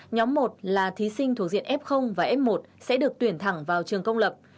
nhóm một là thí sinh thuộc diện f và f một sẽ được tuyển thẳng vào trường công lập